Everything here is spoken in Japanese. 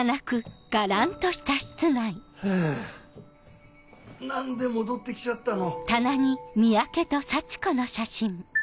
ハァ何で戻って来ちゃったの？